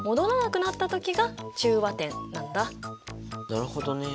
なるほどね。